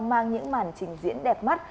mang những màn trình diễn đẹp mắt